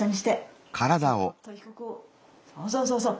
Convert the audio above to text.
そうそうそうそう。